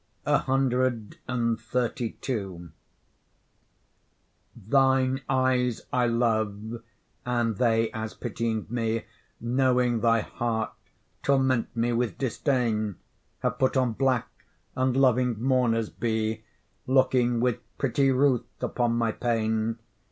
CXXXII Thine eyes I love, and they, as pitying me, Knowing thy heart torment me with disdain, Have put on black and loving mourners be, Looking with pretty ruth upon my pain.